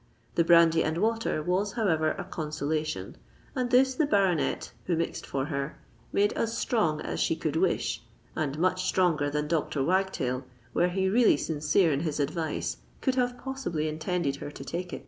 The brandy and water was, however, a consolation; and this the baronet, who mixed for her, made as strong as she could wish, and much stronger than Dr. Wagtail, were he really sincere in his advice, could have possibly intended her to take it.